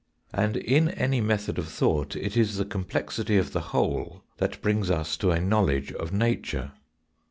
And in any method of thought it is the complexity of the whole that brings us to a know ledge of nature.